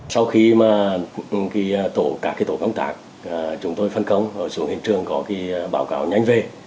sau khi mà cả tổ công tác chúng tôi phân công xuống hiện trường có báo cáo nhanh về